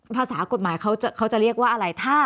ภาษากฎหมายเขาจะเรียกว่าอะไร